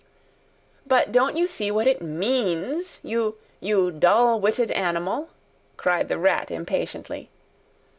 "But don't you see what it means, you—you dull witted animal?" cried the Rat impatiently.